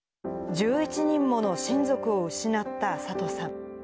１１人もの親族を失った安里さん。